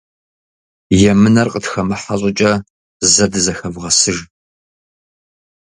Емынэр къытхэмыхьэ щӏыкӏэ зэ дызэхэвгъэсыж.